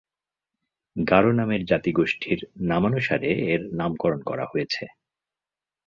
গারো নামের জাতিগোষ্ঠীর নামানুসারে এর নামকরণ করা হয়েছে।